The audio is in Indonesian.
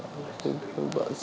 yang nanti kita bisa berbual